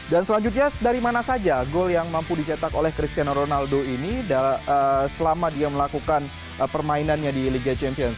dan selanjutnya dari mana saja gol yang mampu dicetak oleh cristiano ronaldo ini selama dia melakukan permainannya di liga champions